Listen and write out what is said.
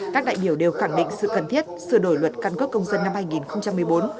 các đại biểu đều khẳng định sự cần thiết sửa đổi luật căn cước công dân năm hai nghìn một mươi bốn